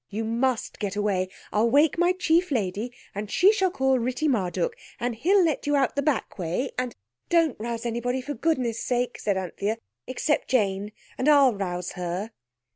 You must get away. I'll wake my chief lady and she shall call Ritti Marduk, and he'll let you out the back way, and—" "Don't rouse anybody for goodness' sake," said Anthea, "except Jane, and I'll rouse her."